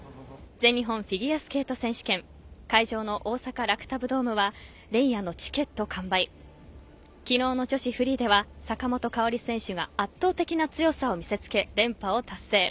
全日本フィギュアスケート選手権会場の大阪ラクダブドームは連夜のチケット完売昨日の女子フリーでは坂本花織選手が圧倒的な強さを見せつけ連覇を達成。